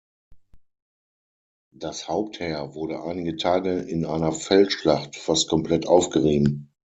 Das Hauptheer wurde einige Tage in einer Feldschlacht fast komplett aufgerieben.